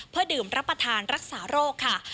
เพื่อดื่มรับประทานรักษาโรคค่ะ